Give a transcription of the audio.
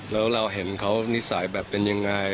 แล้วเราเห็นเขานิสัยแบบเป็นยังไง